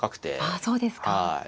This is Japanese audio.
ああそうですか。